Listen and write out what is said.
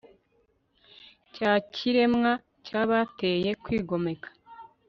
cya kiremwa cyabateye kwigomeka